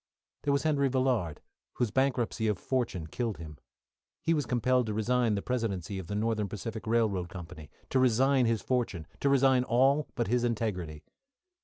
There was Henry Villard, whose bankruptcy of fortune killed him. He was compelled to resign the presidency of the Northern Pacific Railroad Company, to resign his fortune, to resign all but his integrity.